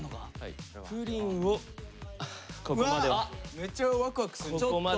めっちゃワクワクする。